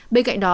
bên cạnh đó